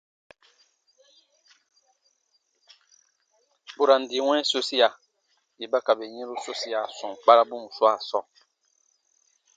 Burandi wɛ̃ɛ sosiya, yè ba ka bè yɛ̃ru sosiya sɔm kparabun swaa sɔɔ.